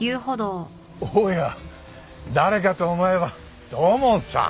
おや誰かと思えば土門さん。